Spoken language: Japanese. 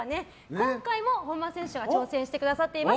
今回も本間選手が挑戦してくださっています。